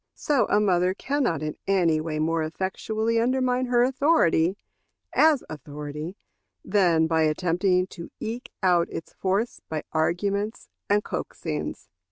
So a mother can not in any way more effectually undermine her authority, as authority, than by attempting to eke out its force by arguments and coaxings.